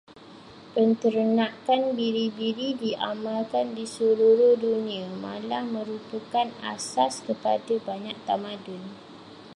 Penternakan biri-biri diamalkan di seluruh dunia, malah merupakan asas kepada banyak tamadun.